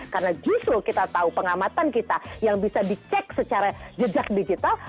karena justru kita tahu pengamatan kita yang bisa dicek secara jejak digital